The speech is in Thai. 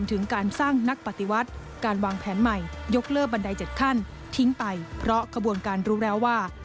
ทิ้งไปเพราะกระบวนการรู้แล้วว่า